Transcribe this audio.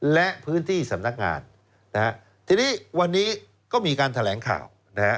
และพื้นที่สำนักงานนะฮะทีนี้วันนี้ก็มีการแถลงข่าวนะฮะ